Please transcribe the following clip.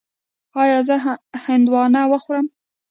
ایا زه هندواڼه وخورم؟